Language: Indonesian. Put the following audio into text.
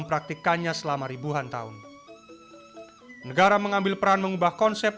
para petani ini tidak mengenal istilah membeli air